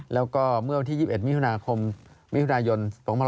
แล้วก็เมื่อวันที่๒๑มีนาคมมิถุนายน๒๕๖๒